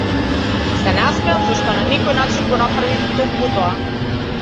Се насмеав, зашто на некој начин го направи токму тоа.